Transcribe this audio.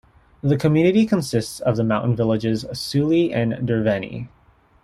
The community consists of the mountain villages Souli and Derveni.